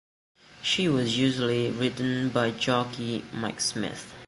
She was usually ridden by jockey Mike Smith.